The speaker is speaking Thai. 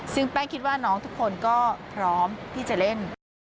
ซึ่งแป้งคิดว่าน้องทุกคนก็พร้อมที่จะเล่น